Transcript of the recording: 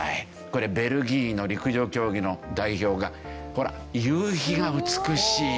これベルギーの陸上競技の代表がほら夕日が美しい。